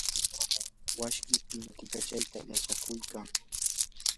washkii pintikachayta yachakuykan.